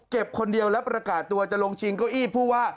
คนเดียวแล้วประกาศตัวจะลงชิงเก้าอี้ผู้ว่า